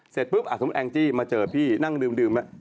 เสร็จปุ๊บสมมุติแองจี้มาเจอพี่นั่งดื่ม